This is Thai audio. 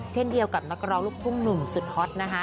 เช่นเดียวกับนักร้องลูกทุ่งหนุ่มสุดฮอตนะคะ